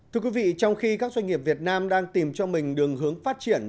thưa quý vị trong khi các doanh nghiệp việt nam đang tìm cho mình đường hướng phát triển